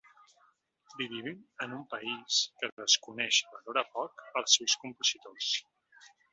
Vivim en un país que desconeix i valora poc els seus compositors.